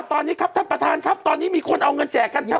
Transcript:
ตอนนี้ครับท่านประธานครับตอนนี้มีคนเอาเงินแจกกันครับ